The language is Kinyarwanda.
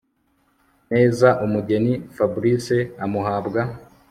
neza umugeni Fabric amuhabwa